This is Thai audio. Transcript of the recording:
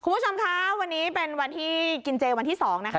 คุณผู้ชมคะวันนี้เป็นวันที่กินเจวันที่๒นะคะ